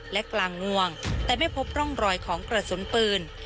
และกลางงวงแต่ไม่พบร่องรอยของกระสุนปืน